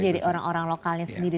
jadi dari orang orang lokalnya sendiri